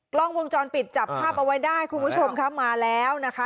กล้องวงจรปิดจับภาพเอาไว้ได้คุณผู้ชมคะมาแล้วนะคะ